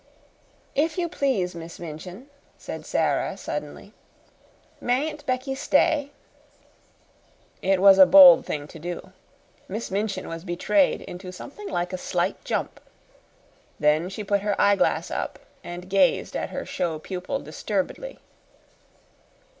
"If you please, Miss Minchin," said Sara, suddenly, "mayn't Becky stay?" It was a bold thing to do. Miss Minchin was betrayed into something like a slight jump. Then she put her eyeglass up, and gazed at her show pupil disturbedly.